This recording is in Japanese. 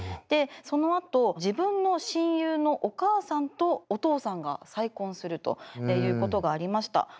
でそのあと自分の親友のお母さんとお父さんが再婚するということがありました。